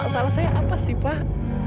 salah saya apa sih pak